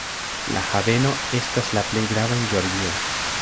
La haveno estas la plej grava en Georgio.